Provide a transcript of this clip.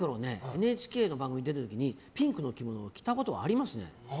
ＮＨＫの番組に出た時にピンクの着物を着たことはありますね。